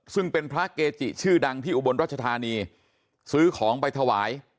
ซึ่งเป็นพระเกจิชื่อดังที่อุบลรัชธานีซื้อของไปถวาย